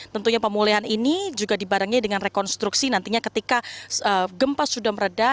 tentunya pemulihan ini juga dibarengi dengan rekonstruksi nantinya ketika gempa sudah meredah